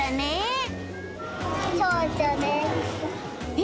え